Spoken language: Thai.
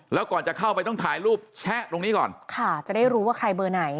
แล้วก่อนจะเข้าไปต้องถ่ายรูปแชะตรงนี้ก่อนค่ะจะได้รู้ว่าใครเบอร์ไหน